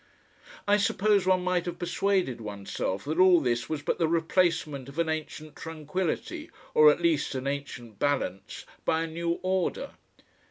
I suppose one might have persuaded oneself that all this was but the replacement of an ancient tranquillity, or at least an ancient balance, by a new order.